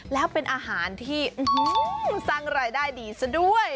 แล้วเป็นอาหารที่สร้างรายได้ดีซะด้วย